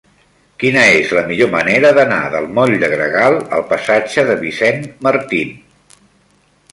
Quina és la millor manera d'anar del moll de Gregal al passatge de Vicent Martín?